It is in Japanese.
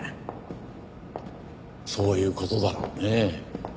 そういう事だろうね。